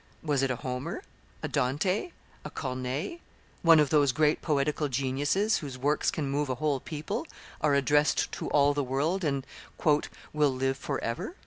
Was it a Homer, a Dante, a Corneille, one of those great poetical geniuses whose works can move a whole people, are addressed to all the world, and "will live forever"?